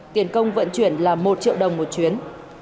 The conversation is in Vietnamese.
tiền công vận chuyển là một triệu đồng một chuyến